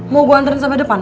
mau gue anterin sampai depan